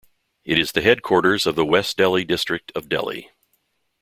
It is the headquarters of the West Delhi district of Delhi.